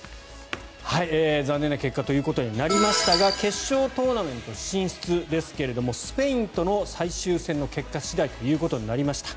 残念な結果ということにはなりましたが決勝トーナメント進出ですけどスペインとの最終戦の結果次第ということになりました。